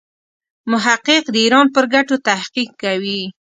محقق د ایران پر ګټو تحقیق کوي.